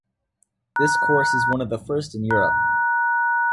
This course is one of the first in Europe.